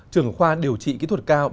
trường khoa điều trị kỹ thuật cao